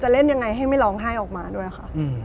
เล่นยังไงให้ไม่ร้องไห้ออกมาด้วยค่ะ